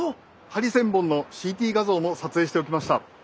ハリセンボンのＣＴ画像も撮影しておきました。